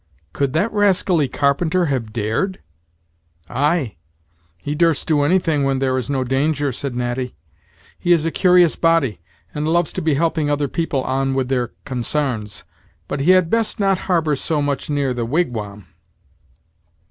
"Could that rascally carpenter have dared!" "Ay! he durst do anything when there is no danger," said Natty; "he is a curious body, and loves to be helping other people on with their consarns. But he had best not harbor so much near the wigwam!"